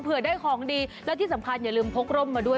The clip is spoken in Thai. ได้ของดีและที่สำคัญอย่าลืมพกร่มมาด้วย